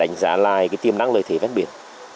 đánh giá lại tiềm năng lợi thể phát biển